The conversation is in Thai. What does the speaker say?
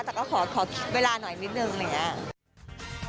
แต่ก็ขอคิดเวลาหน่อยนิดหนึ่งเลยค่ะ